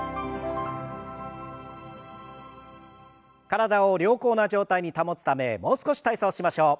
体を良好な状態に保つためもう少し体操しましょう。